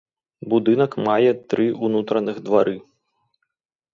Будынак мае тры ўнутраных двары.